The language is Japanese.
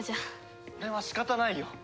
それは仕方ないよ。